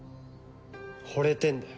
惚れてんだよ